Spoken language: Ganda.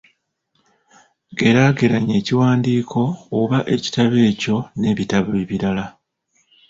Geeraageranya ekiwandiiko oba ekitabo ekyo n'ebitabo ebirala.